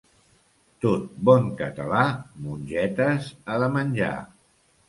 Tot bon català mongetes ha de menjar.